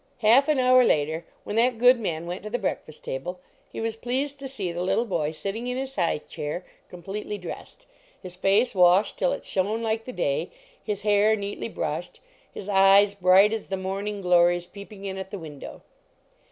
Half an hour later, when that good man went to the breakfast table, he was pleased to see the little boy sitting in his high chair, completely dressed, his face washed till it shone like the day, his hair neatly brushed, his eyes bright as the morning glories peep ing in at the window.